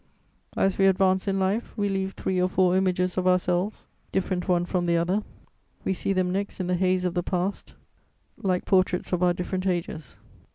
As we advance in life, we leave three or four images of ourselves, different one from the other: we see them next in the haze of the past, like portraits of our different ages.